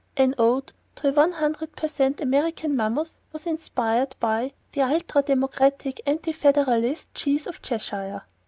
An ode to a one hundred percent American mammoth was inspired by "The Ultra Democratic, Anti Federalist Cheese of Cheshire."